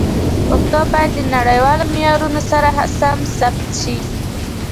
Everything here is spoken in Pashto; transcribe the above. پښتو باید د نړیوالو معیارونو سره سم ثبت شي.